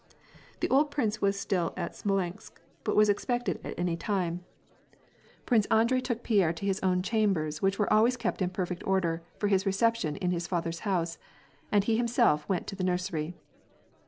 The old prinee was still at Smolensk, but was expected at any time. 120 WAR AND PEACE. Prince Andrei took Pierre to his own chambers which were always kept in perfect order for his reception in his father's house, and he himself went to the nursery.